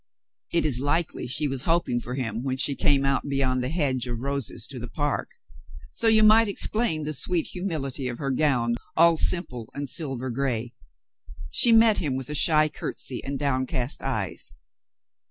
It is likely she was hoping for him when she came out beyond the hedge of roses to the park. So you might explain the sweet humility of her gown, all simple and silver gray. She met him with a shy curtsy and downcast eyes.